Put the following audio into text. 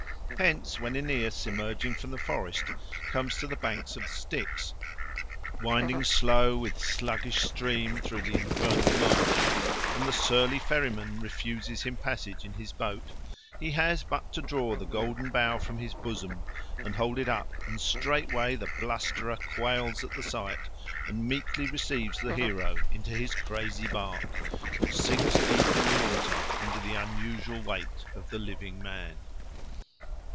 Hence when Aeneas, emerging from the forest, comes to the banks of Styx, winding slow with sluggish stream through the infernal marsh, and the surly ferryman refuses him passage in his boat, he has but to draw the Golden Bough from his bosom and hold it up, and straightway the blusterer quails at the sight and meekly receives the hero into his crazy bark, which sinks deep in the water under the unusual weight of the living man.